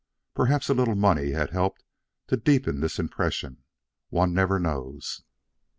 Perhaps a little money had helped to deepen this impression; one never knows.